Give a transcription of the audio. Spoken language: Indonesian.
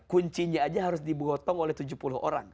kuncinya aja harus dibotong oleh tujuh puluh orang